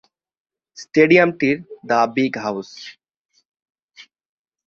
স্টেডিয়ামটির "the Big house".